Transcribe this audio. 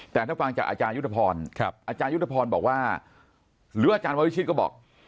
แต่ถ้าฟังจากอาจารยุทธพรอาจารยุทธพรบอกว่าหรืออาจารย์ววิชิตก็บอก